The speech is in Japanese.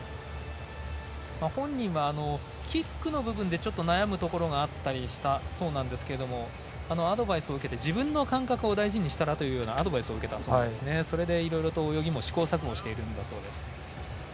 本人はキックの部分で悩むところがあったそうですがアドバイスを受けて自分の感覚を大事にしたらというアドバイスを受けたそうでそれで、いろいろと泳ぎも試行錯誤しているんだそうです。